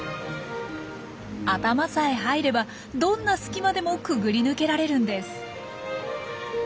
頭さえ入ればどんな隙間でもくぐり抜けられるんです。